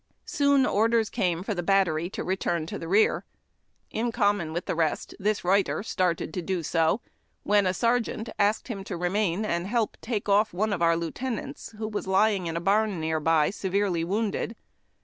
Soon orders came for the battery to return to the rear. In common with the rest, the writer started to do so when a sergeant asked him to remain and help take off one of our lieutenants, who was lying in a barn near by, severely wounded.